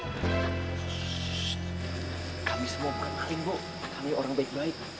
shhh kami semua bukan maling bu kami orang baik baik